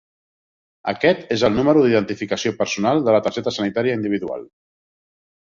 Aquest és el número d'identificació personal de la targeta sanitària individual.